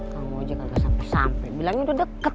kamu aja kan gak sampai sampai bilangnya udah deket